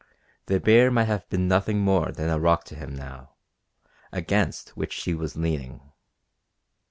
The bear might have been nothing more than a rock to him now, against which she was leaning.